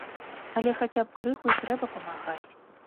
Але хаця б крыху і трэба памагаць.